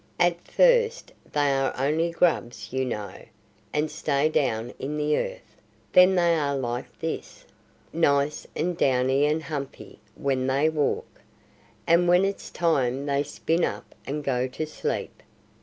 "At first they are only grubs you know, and stay down in the earth; then they are like this, nice and downy and humpy, when they walk; and when it's time they spin up and go to sleep.